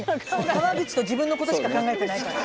川口と自分の事しか考えてないから。